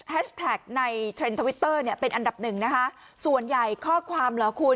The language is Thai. แฮชแท็กในเทรนด์ทวิตเตอร์เป็นอันดับหนึ่งนะคะ